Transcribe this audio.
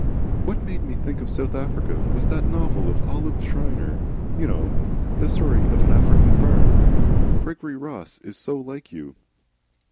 "What made me think of South Africa was that novel of Olive Schreiner's, you know 'The Story of an African Farm.' Gregory Rose is so like you."